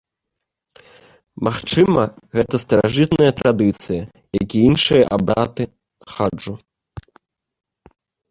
Магчыма, гэта старажытная традыцыя, як і іншыя абрады хаджу.